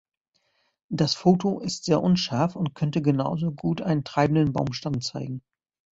Das Foto ist sehr unscharf und könnte genauso gut einen treibenden Baumstamm zeigen.